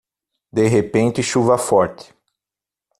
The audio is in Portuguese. De repente chuva forte